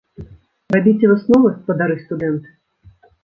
Рабіце высновы, спадары студэнты!